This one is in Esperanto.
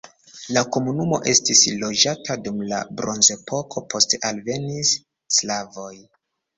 La komunumo estis loĝata dum la bronzepoko, poste alvenis slavoj.